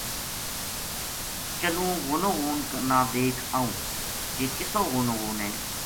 چلوں غونو غون نا دیکھ آوں جی کِسو غونو غون ہے